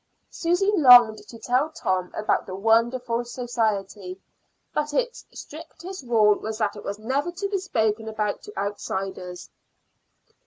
Susy longed to tell Tom about the wonderful society; but its strictest rule was that it was never to be spoken about to outsiders.